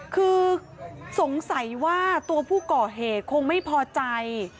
คือสงสัยว่าตัวผู้ก่อเหตุคงไม่พอใจ